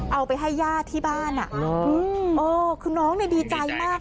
เอาไปให้ญาติที่บ้านอ่ะเออคือน้องเนี่ยดีใจมาก